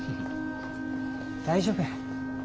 大丈夫や。